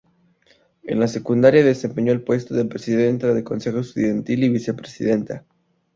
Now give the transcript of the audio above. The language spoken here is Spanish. En la secundaria, desempeñó el puesto de presidenta del consejo estudiantil y vicepresidenta.